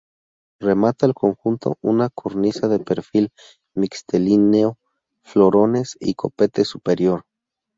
Remata el conjunto una cornisa de perfil mixtilíneo, florones y copete superior.